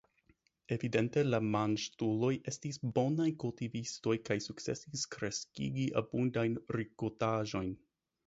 Evidente la Manĝtuloj estis bonaj kultivistoj kaj sukcesis kreskigi abundajn rikoltaĵojn.